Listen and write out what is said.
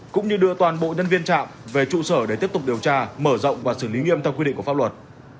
cũng như đưa toàn bộ nhân viên trạm về trụ sở để tiếp tục điều tra mở rộng và xử lý nghiêm theo quy định của pháp luật